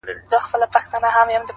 o گراني بس څو ورځي لاصبر وكړه،